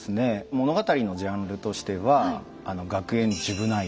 物語のジャンルとしては学園ジュブナイル。